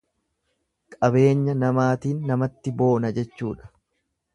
Qabeenya namaatiin namatti boona jechuudha.